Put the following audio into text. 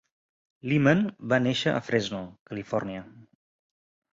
Lehman va néixer a Fresno, Califòrnia.